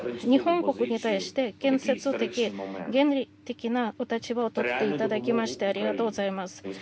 日本国に対して、建設的、原理的なお立場をとっていただきましてありがとうございます。